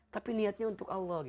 tapi niatnya untuk allah